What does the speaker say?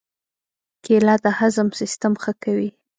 کېله د هضم سیستم ښه کوي.